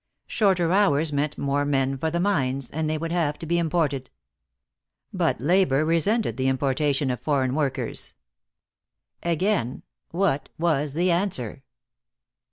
Shorter hours meant more men for the mines, and they would have to be imported. But labor resented the importation of foreign workers. Again, what was the answer?